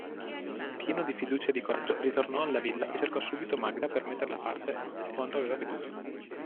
Pieno di fiducia e di coraggio, ritornò alla villa e cercò subito Magda per metterla a parte di quanto aveva veduto.